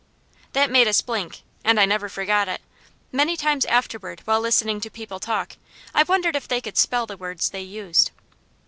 That made us blink, and I never forgot it. Many times afterward while listening to people talk, I wondered if they could spell the words they used.